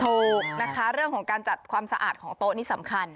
ถูกนะคะเรื่องของการจัดความสะอาดของโต๊ะนี่สำคัญ